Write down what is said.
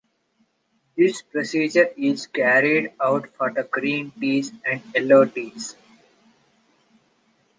This procedure is carried out for green teas and yellow teas.